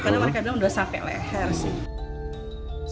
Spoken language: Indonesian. karena mereka bilang sudah sampai leher sih